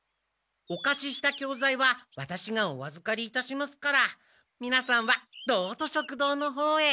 おかしした教材はワタシがおあずかりいたしますからみなさんはどうぞ食堂のほうへ。